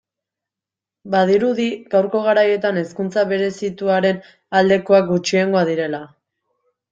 Badirudi gaurko garaietan hezkuntza berezituaren aldekoak gutxiengoa direla.